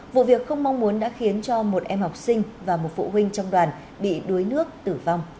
vụ việc không mong muốn đã khiến cho một em học sinh và một phụ huynh trong đoàn bị đuối nước tử vong